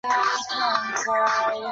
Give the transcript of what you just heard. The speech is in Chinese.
后由吴棐彝接任。